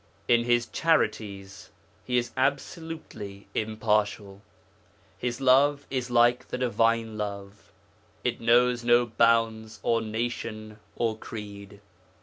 In his charities he is absolutely impartial; his love is like the divine love it knows no bounds of nation or creed.